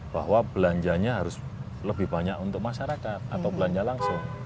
bahwa belanjanya harus lebih banyak untuk masyarakat atau belanja langsung